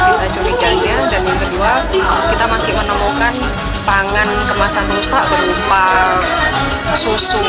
kita curigainya dan yang kedua kita masih menemukan pangan kemasan rusak berupa susu